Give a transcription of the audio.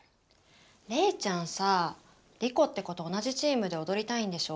レイちゃんさリコって子と同じチームでおどりたいんでしょ？